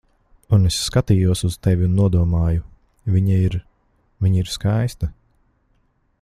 Un es skatījos uz tevi un nodomāju: "Viņa ir... Viņa ir skaista."